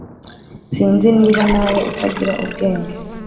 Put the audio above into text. Sinz niba nawe utagira ubwenge